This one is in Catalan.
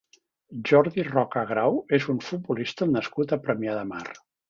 Jordi Roca Grau és un futbolista nascut a Premià de Mar.